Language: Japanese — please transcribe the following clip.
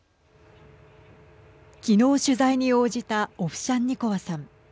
きのう取材に応じたオフシャンニコワさん。